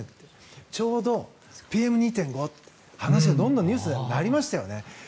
ちょうど、ＰＭ２．５の話がどんどんニュースにもなりましたよね。